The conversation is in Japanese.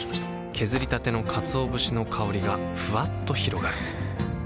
削りたてのかつお節の香りがふわっと広がるはぁ。